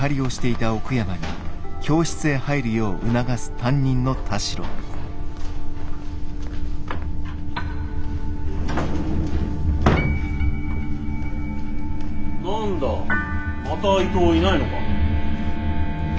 何だまた伊藤いないのか。